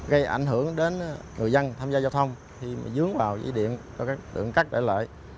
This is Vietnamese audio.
gây ảnh hưởng đến người dân tham gia giao thông khi dướng vào dây điện có các tượng cắt để lợi